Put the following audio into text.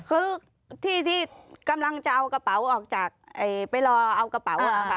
คือที่ที่กำลังจะเอากระเป๋าออกจากไปรอเอากระเป๋าค่ะ